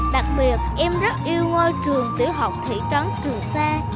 đặc biệt em rất yêu ngôi trường tiểu học thị trấn trường sa